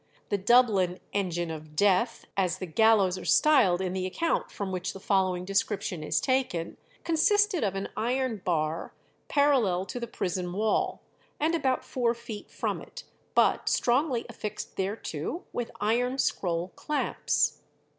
The Dublin "engine of death," as the gallows are styled in the account from which the following description is taken, consisted of an iron bar parallel to the prison wall, and about four feet from it, but strongly affixed thereto with iron scroll clamps.